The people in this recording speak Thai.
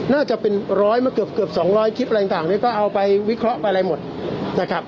น่าจะเป็นร้อยมาเกือบ๒๐๐คลิปอะไรต่างเนี่ยก็เอาไปวิเคราะห์ไปอะไรหมดนะครับ